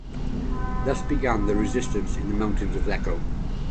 Thus began the Resistance in the mountains of Lecco.